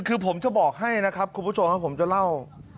คือผมจะบอกให้นะครับคุณผู้ชมครับผมจะเล่า